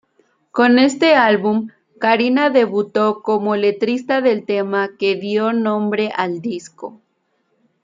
Con este álbum, Karina debutó como letrista del tema que dio nombre al disco.